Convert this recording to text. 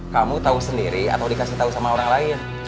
kamu tau sendiri atau dikasih tau sama orang lain